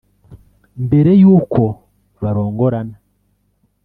Mbere yuko barongorana